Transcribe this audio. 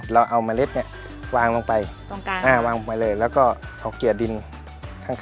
เราเอาเมล็ดเนี่ยวางลงไปตรงกลางแล้วก็เอาเกลียดดินข้าง